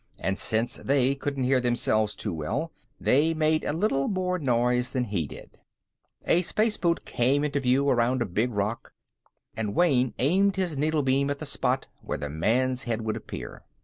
And since they couldn't hear themselves too well, they made a little more noise than he did. A space boot came into view around a big rock, and Wayne aimed his needle beam at the spot where the man's head would appear.